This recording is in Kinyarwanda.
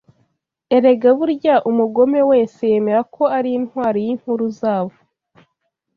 Erega burya, umugome wese yemera ko ari intwari yinkuru zabo